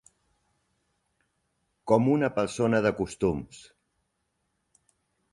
Com una persona de costums.